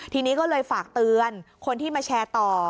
ทีนี้ก็เลยฝากเตือนคนที่มาแชร์ต่อ